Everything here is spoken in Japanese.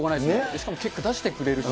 しかも結果出してくれるし。